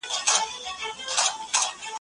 کله چې خبرې دوام وکړي، شخړې نه تاوتریخوالي ته ځي.